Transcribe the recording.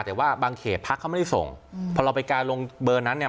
แต่ว่าบางเขตพักเขาไม่ได้ส่งพอเราไปการลงเบอร์นั้นเนี่ย